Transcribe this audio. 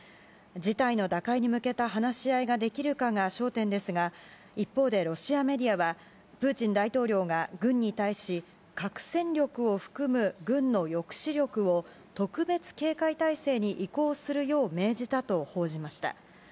事態の打開に向けた話し合いができるかが焦点ですが一方でロシアメディアはプーチン大統領が軍に対し核戦力を含む軍の抑止力を特別警戒体制に移行するよう命じたと報じました。